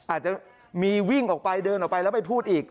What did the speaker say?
อาจจะมีวิ่งออกไปเดินออกไปแล้วไปพูดอีก